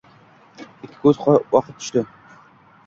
ikki koʼz oqib tushdi